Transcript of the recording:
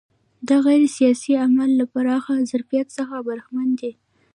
دا غیر سیاسي اعمال له پراخ ظرفیت څخه برخمن دي.